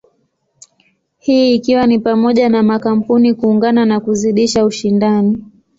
Hii ikiwa ni pamoja na makampuni kuungana na kuzidisha ushindani.